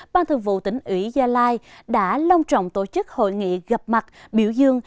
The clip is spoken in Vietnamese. ban thường vụ tỉnh ủy gia lai đã long trọng tổ chức hội nghị gặp mặt biểu dương